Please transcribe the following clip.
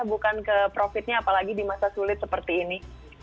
bukan ke profitnya apalagi di masa sulit seperti ini